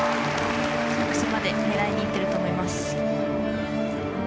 着地まで狙いにいってると思います。